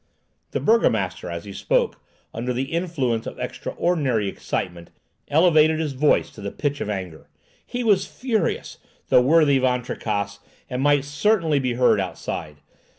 The burgomaster, as he spoke, under the influence of extraordinary excitement, elevated his voice to the pitch of anger. He was furious, the worthy Van Tricasse, and might certainly be heard outside.